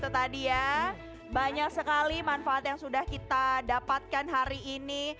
itu tadi ya banyak sekali manfaat yang sudah kita dapatkan hari ini